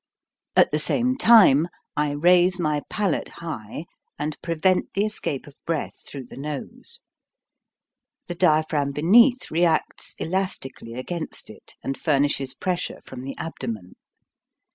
At the same time I raise my palate high and prevent the escape of breath through the nose. The diaphragm beneath reacts elas tically against it, and furnishes pressure from the abdomen.